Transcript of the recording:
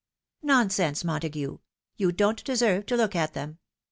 " Nonsense, Montague ! You don't deserve to look at them.